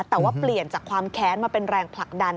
แต่ว่าเปลี่ยนจากความแค้นมาเป็นแรงผลักดัน